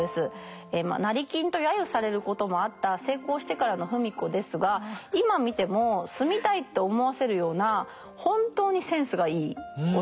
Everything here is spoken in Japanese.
成金と揶揄されることもあった成功してからの芙美子ですが今見ても住みたいと思わせるような本当にセンスがいいお宅です。